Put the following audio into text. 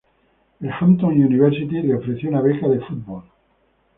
La Hampton University le ofreció una beca de fútbol.